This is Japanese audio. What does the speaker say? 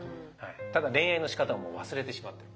ただ恋愛のしかたも忘れてしまってる。